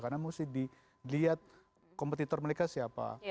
karena mesti dilihat kompetitor mereka siapa